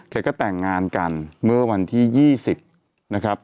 ก็แต่งงานกันเมื่อวันที่๒๐นะครับ